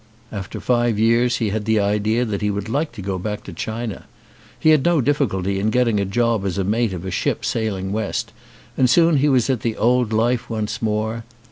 After five years he had the idea that he would like to go back to China. He had no difficulty in getting a job as mate of a ship sailing west and soon he was at the old life once more.